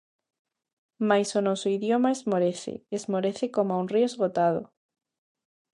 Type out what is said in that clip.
Mais o noso idioma esmorece, esmorece coma un río esgotado.